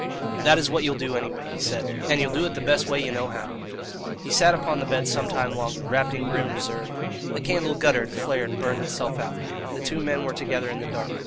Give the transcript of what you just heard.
"That is what you'll do, any way," he said; "and ye'll do it the best way ye know how." He sat upon the bed some time longer, wrapped in grim reserve. The candle guttered, flared, burned itself out. The two men were together in the dark.